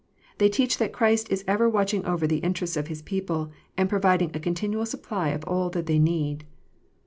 They teach that Christ is ever watching over the interests of His people, and providing a continual supply of all that they need.